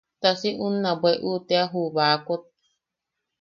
Ta si unna bweʼu tea ju bakot.